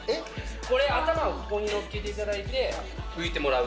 これ、頭をここに乗っけていただいて、浮いてもらう。